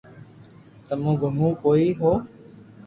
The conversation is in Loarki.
تمي گمو ڪوي ھو